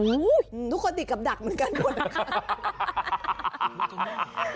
อู๊ยทุกคนติดกับดักเหมือนกันหมด